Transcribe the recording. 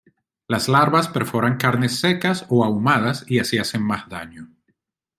Las larvas perforan carnes secas o ahumadas y así hacen más daño.